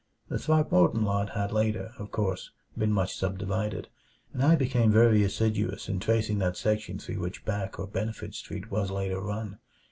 The Throckmorton lot had later, of course, been much subdivided; and I became very assiduous in tracing that section through which Back or Benefit Street was later run.